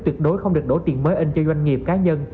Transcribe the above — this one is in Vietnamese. tuyệt đối không được đổ tiền mới in cho doanh nghiệp cá nhân